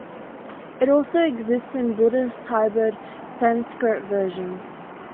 It also exists in a Buddhist Hybrid Sanskrit version.